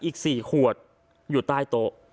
อีก๔ขวดอยู่ใต้โต๊ะ